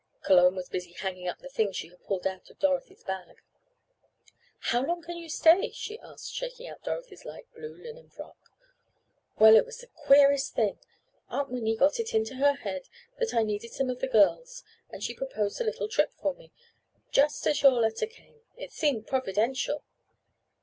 Cologne was busy hanging up the things she had pulled out of Dorothy's bag. "How long can you stay?" she asked, shaking out Dorothy's light blue linen frock. "Well, it was the queerest thing! Aunt Winnie got it into her head that I needed some of the girls, and she proposed a little trip for me, just as your letter came. It seemed providential."